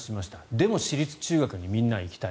でも、私立中学にみんな行きたい。